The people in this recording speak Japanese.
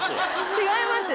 違います！